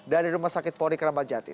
dari rumah sakit polri keramat jati